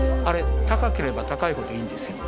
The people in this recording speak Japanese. あれ高ければ高いほどいいんです。